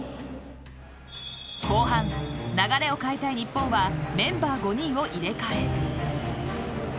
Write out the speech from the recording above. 後半、流れを変えたい日本はメンバー５人を入れ替え。